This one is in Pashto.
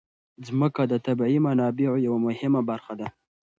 ځمکه د طبیعي منابعو یوه مهمه برخه ده.